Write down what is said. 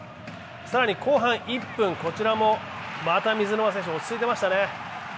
更に、後半１分、こちらもまた水沼選手、落ち着いてましたね。